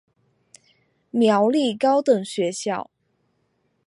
苗栗高等学校